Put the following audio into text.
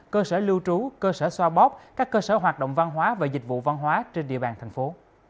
cơ sở lưu trú cơ sở xoa bóp các cơ sở hoạt động văn hóa và dịch vụ văn hóa trên địa bàn thành phố